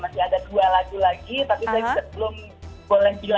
masih ada dua lagu lagi tapi saya belum boleh bilang